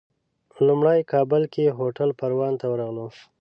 لومړی کابل کې هوټل پروان ته ورغلو.